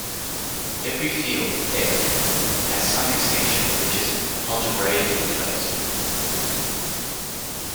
Every field "F" has some extension which is algebraically closed.